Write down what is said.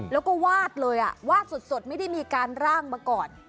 แล้วก็วาดเลยวาดสดไม่ได้มีการร่างมาก่อน